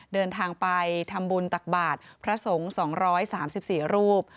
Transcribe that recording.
เดินทางไปทำบุญตักบาทพระสงฆ์๒๓๔รูป